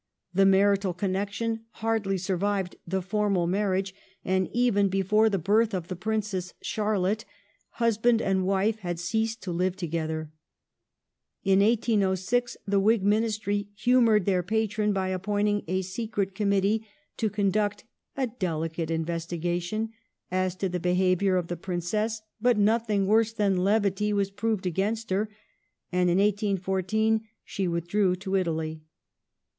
The marital connection hardly survived the formal marriage, and even before the birth of the Princess Charlotte husband and wife had ceased to live together. In 1806 the Whig Ministry humoured their patron by appointing a Secret Committee to conduct a "deli cate investigation " as to the behaviour of the Princess, but nothing worse than levity was proved against her, and in 1814 she with drew to Italy.